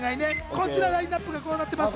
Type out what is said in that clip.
こちらラインアップがこうなってます。